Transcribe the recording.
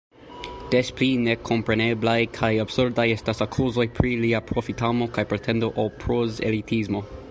Des pli nekompreneblaj kaj absurdaj estas akuzoj pri lia profitamo kaj pretendo al prozelitismo.